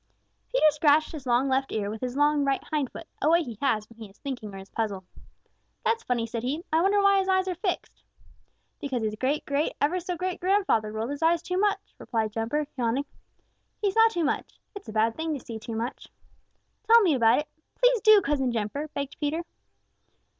Peter scratched his long left ear with his long right hindfoot, a way he has when he is thinking or is puzzled. "That's funny," said he. "I wonder why his eyes are fixed." "Because his great great ever so great grandfather rolled his eyes too much," replied Jumper, yawning. "He saw too much. It's a bad thing to see too much." "Tell me about it. Please do, Cousin Jumper," begged Peter.